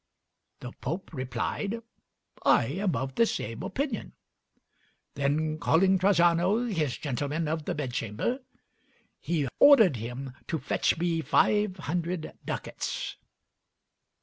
The Pope replied, 'I am of the same opinion;' then calling Trajano, his gentleman of the bedchamber, he ordered him to fetch me five hundred ducats."